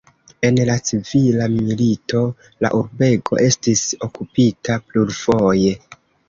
En la civila milito la urbego estis okupita plurfoje.